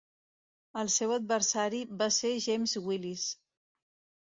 El seu adversari va ser James Willis.